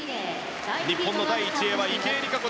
日本の第１泳は池江璃花子。